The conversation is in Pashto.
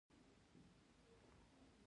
په دې حالت کې خاوره د مایع په شکل حرکت کوي